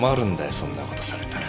そんな事されたら。